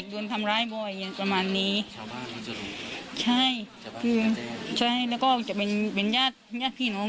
ชาวบ้านเขาจะรู้ใช่คือใช่แล้วก็จะเป็นเป็นญาติญาติพี่น้อง